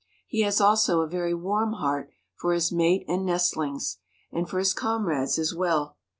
He has also a very warm heart for his mate and nestlings, and for his comrades as well.